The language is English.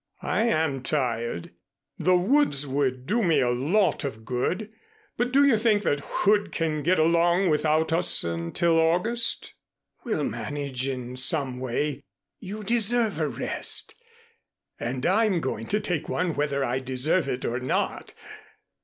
I am tired. The woods will do me a lot of good, but do you think that Hood can get along without us until August?" "We'll manage in some way. You deserve a rest, and I'm going to take one whether I deserve it or not.